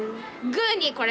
グーにこれ。